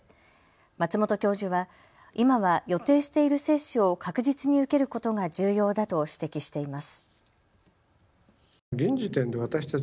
松本教授は今は予定している接種を確実に受けることが重要だと指摘しています。